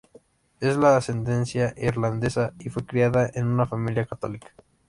Es de ascendencia Irlandesa y fue criada en una familia católica.